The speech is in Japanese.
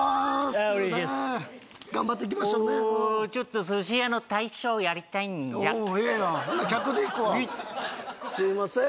はいお願いしやす頑張っていきましょうねおちょっと寿司屋の大将やりたいんじゃおおええやんほな客で行くわすいません